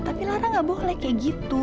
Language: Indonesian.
tapi lara gak boleh kayak gitu